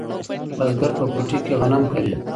بزګر په پټي کې غنم کري.